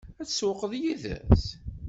Ad tsewwqeḍ yid-s?